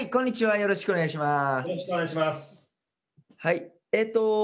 よろしくお願いします。